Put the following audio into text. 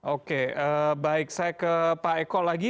oke baik saya ke pak eko lagi